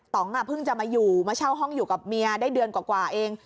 เพิ่งจะมาอยู่มาเช่าห้องอยู่กับเมียได้เดือนกว่าเอง